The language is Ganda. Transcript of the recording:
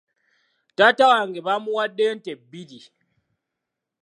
Taata wange bamuwadde ente bbiri.